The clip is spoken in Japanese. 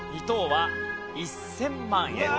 ２等は１０００万円。